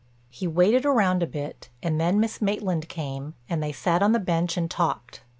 He waited round a bit and then Miss Maitland came and they sat on the bench and talked.